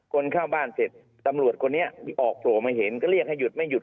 คนเข้าบ้านเสร็จตำรวจคนนี้ออกโผล่มาเห็นก็เรียกให้หยุดไม่หยุด